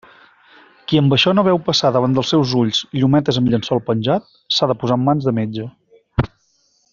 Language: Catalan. Qui amb això no veu passar davant dels seus ulls llumetes amb llençol penjat, s'ha de posar en mans de metge.